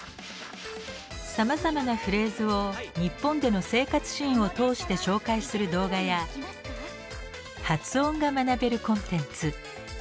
さまざまなフレーズを日本での生活シーンを通して紹介する動画や発音が学べるコンテンツ。